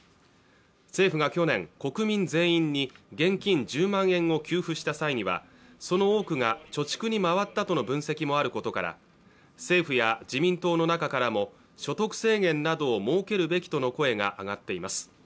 政府が去年国民全員に現金１０万円を給付した際にはその多くが貯蓄に回ったとの分析もあることから政府や自民党の中からも所得制限などを設けるべきとの声が上がっています